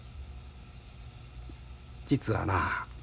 実はな